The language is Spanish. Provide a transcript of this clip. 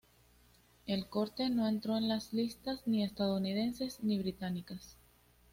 El corte no entró en las listas ni estadounidenses ni británicas.